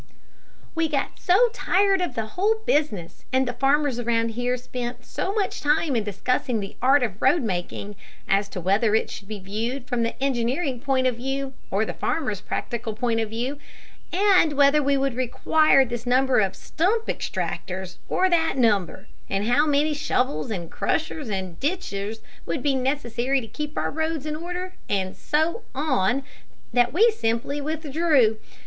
"We got so tired of the whole business, and the farmers around here spent so much time in discussing the art of roadmaking, as to whether it should be viewed from the engineering point of view, or the farmers' practical point of view, and whether we would require this number of stump extractors or that number, and how many shovels and crushers and ditchers would be necessary to keep our roads in order, and so on, that we simply withdrew.